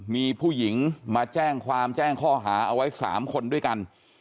มีผู้หญิงมาแจ้งความแจ้งข้อหาเอาไว้๓คนด้วยกัน